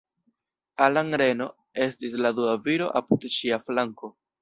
Alan Reno estis la dua viro apud ŝia flanko.